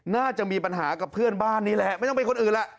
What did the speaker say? น่าจะมีปัญหากับเพื่อนบ้านนี่แหละไม่ต้องเป็นคนอื่นแหละ